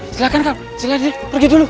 silahkan kang silahkan pergi dulu